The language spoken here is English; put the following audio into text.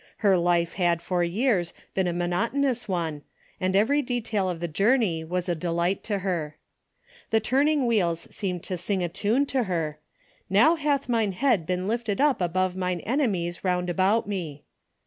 Her life had for years been a monotonous one, and every detail of the journey was a delight to her. The turn ing wheels seemed to sing a tune to her, "How hath mine head been lifted up above mine ene mies round about me."